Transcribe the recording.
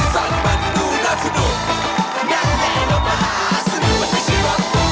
สวัสดีครับ